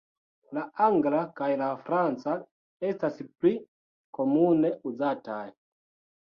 La angla kaj la franca estas pli komune uzataj.